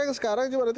sementara yang sekarang